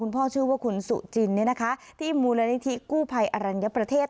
พ่อชื่อว่าคุณสุจินที่มูลนิธิกู้ภัยอรัญญประเทศ